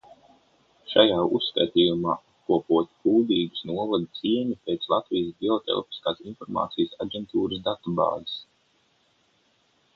Šajā uzskatījumā apkopoti Kuldīgas novada ciemi pēc Latvijas Ģeotelpiskās informācijas aģentūras datubāzes.